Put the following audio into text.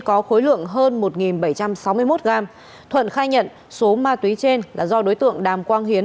có khối lượng hơn một bảy trăm sáu mươi một gram thuận khai nhận số ma túy trên là do đối tượng đàm quang hiến